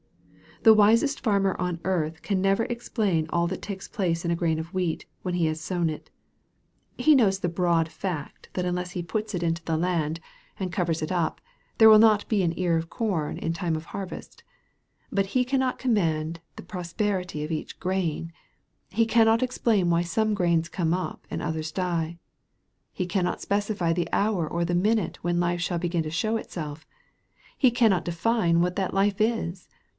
The wisest farmer on earth can never explain all that takes place in a grain of wheat, when he has sown it. He knows the broad fact that unless he puts it into the 4 74 EXPOSITORY THOUGHTS. laud, and covers it up, there will not be an ear of corn in time of harvest. But he cannot command the pros* perity of each grain. He cannot explain why some grains come up and others die. He cannot specify the hour or the minute when life shall begin to show itself. He can not define what that life is.